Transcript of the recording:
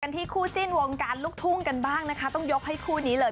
ที่คู่จิ้นวงการลูกทุ่งกันบ้างนะคะต้องยกให้คู่นี้เลย